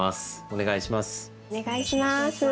お願いします。